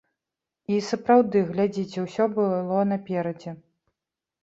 І сапраўды, глядзіце, усё было наперадзе!